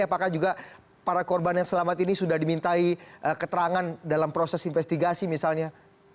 apakah juga para korban yang selamat ini sudah dimintai keterangan dalam proses investigasi misalnya